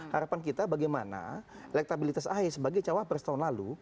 harapan kita bagaimana elektabilitas ahy sebagai cawapres tahun lalu